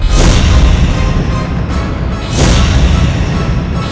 sejauh mana kesaktianku